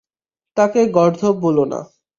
তাকে গর্দভ বলো না।